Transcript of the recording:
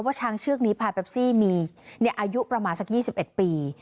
ว่าช้างเชือกนิพายเปปซี่มีในอายุประมาณสัก๒๑ปี